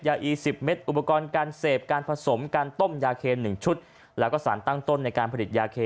อี๑๐เม็ดอุปกรณ์การเสพการผสมการต้มยาเคน๑ชุดแล้วก็สารตั้งต้นในการผลิตยาเค